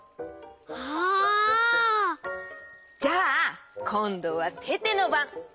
あ！じゃあこんどはテテのばん！